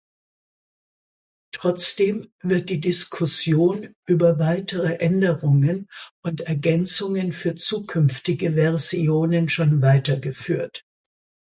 Trotzdem wird die Diskussion über weitere Änderungen und Ergänzungen für zukünftige Versionen schon weitergeführt.